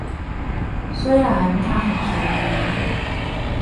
雖然他很便宜